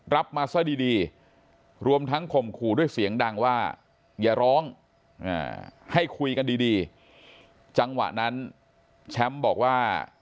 มาซะดีรวมทั้งข่มขู่ด้วยเสียงดังว่าอย่าร้องให้คุยกันดีจังหวะนั้นแชมป์บอกว่า